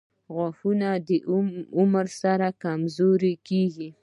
• غاښونه د عمر سره کمزوري کیږي.